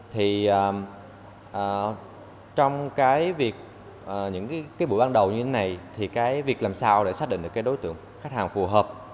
thì trong cái việc những cái buổi ban đầu như thế này thì cái việc làm sao để xác định được cái đối tượng khách hàng phù hợp